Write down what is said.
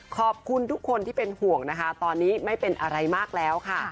ขอบคุณทุกคนที่เป็นห่วงนะคะตอนนี้ไม่เป็นอะไรมากแล้วค่ะ